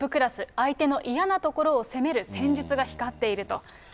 相手の嫌な所を攻める戦術が光っていると。